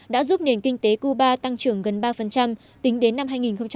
đã giúp nền kinh tế cuba tăng trưởng gần ba tính đến năm hai nghìn một mươi năm